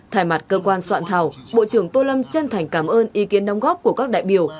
thay mặt cơ quan soạn thảo bộ trưởng tô lâm chân thành cảm ơn ý kiến nông góp của các đại biểu